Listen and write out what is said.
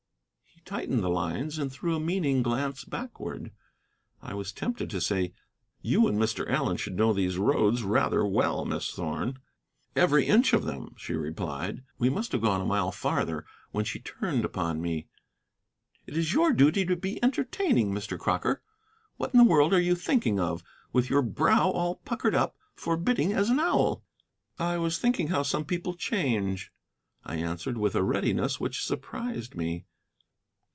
He tightened the lines and threw a meaning glance backward. I was tempted to say: "You and Mr. Allen should know these roads rather well, Miss Thorn." "Every inch of them," she replied. We must have gone a mile farther when she turned upon me. "It is your duty to be entertaining, Mr. Crocker. What in the world are you thinking of, with your brow all puckered up, forbidding as an owl?" "I was thinking how some people change," I answered, with a readiness which surprised me.